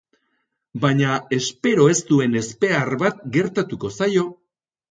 Baina espero ez duen ezbehar bat gertatuko zaio.